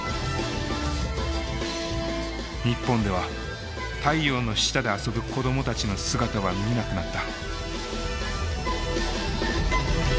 日本では太陽の下で遊ぶ子供たちの姿は見なくなった。